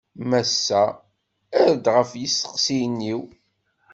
Massa, err-d ɣef yisteqsiyen-iw.